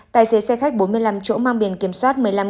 tài xế xe khách bốn mươi năm chỗ mang biển kiểm soát